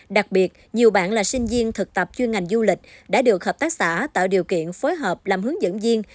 đặc biệt nhiều bạn là sinh viên thực tập chuyên ngành du lịch đã được hợp tác xã tạo điều kiện phối hợp làm hướng dẫn viên